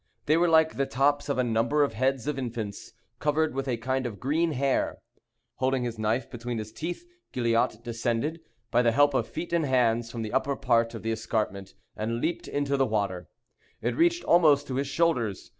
They were like the tops of a number of heads of infants, covered with a kind of green hair. Holding his knife between his teeth, Gilliatt descended, by the help of feet and hands, from the upper part of the escarpment, and leaped into the water. It reached almost to his shoulders.